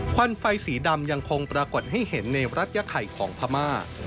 ควันไฟสีดำยังคงปรากฏให้เห็นในรัฐยาไข่ของพม่า